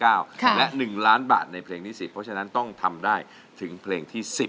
และ๑ล้านบาทในเพลงที่๑๐เพราะฉะนั้นต้องทำได้ถึงเพลงที่๑๐